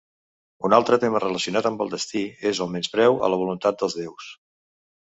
Un altre tema relacionat amb el destí és el menyspreu a la voluntat dels déus.